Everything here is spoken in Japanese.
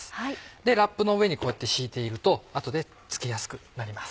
でラップの上にこうやって敷いていると後で付けやすくなります。